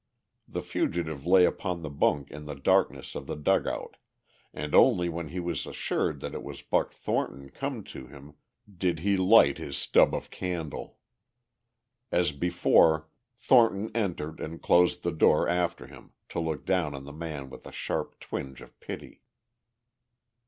The fugitive lay upon the bunk in the darkness of the dugout, and only when he was assured that it was Buck Thornton come to him did he light his stub of candle. As before Thornton entered and closed the door after him to look down on the man with a sharp twinge of pity.